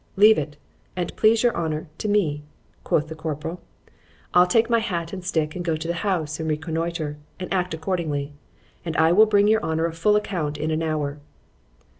Leave it, an't please your honour, to me, quoth the corporal;——I'll take my hat and stick and go to the house and reconnoitre, and act accordingly; and I will bring your honour a full account in an hour.